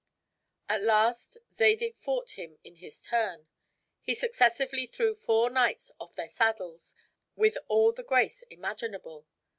At last Zadig fought him in his turn. He successively threw four knights off their saddles with all the grace imaginable.